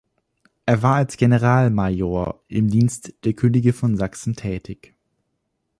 Er war als Generalmajor im Dienst der Könige von Sachsen tätig.